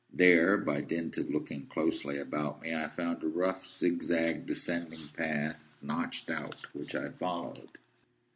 There, by dint of looking closely about me, I found a rough zigzag descending path notched out, which I followed.